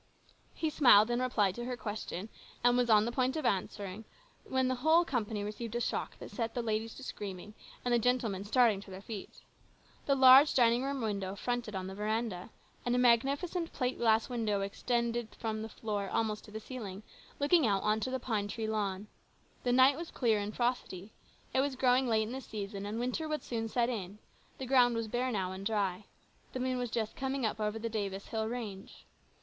He smiled in reply to her question, and was on the point of answering, when the whole company received a shock that set the ladies screaming and the gentlemen starting to their feet in alarm. The large dining room fronted on the veranda, and a magnificent plate glass window extended from the floor almost to the ceiling, looking out on the pine tree lawn. The night was clear and frosty. It was growing late in the season, and winter would soon set in ; the ground was bare now and dry. The moon was just coming up over the Davis hill range.